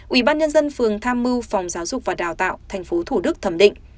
ubnd phường tham mưu phòng giáo dục và đào tạo tp thủ đức thẩm định